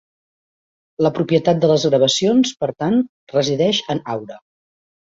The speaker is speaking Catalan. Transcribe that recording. La propietat de les gravacions, per tant, resideix en Aura.